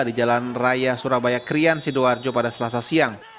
di jalan raya surabaya krian sidoarjo pada selasa siang